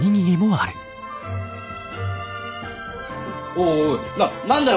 おいおいな何だよ？